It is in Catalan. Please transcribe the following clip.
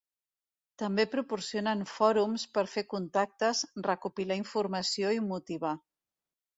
També proporcionen fòrums per fer contactes, recopilar informació i motivar.